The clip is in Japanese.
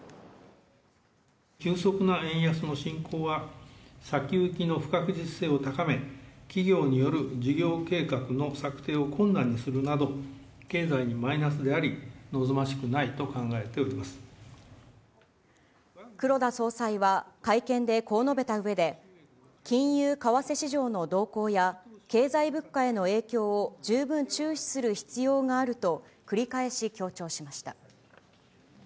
急速な円安の進行は、先行きの不確実性を高め、企業による事業計画の策定を困難にするなど、経済にマイナスであり、黒田総裁は会見でこう述べたうえで、金融・為替市場の動向や、経済物価への影響を、十分注視する必要があると繰り返し強調しました。